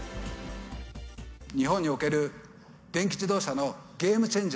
日本における電気自動車のゲームチェン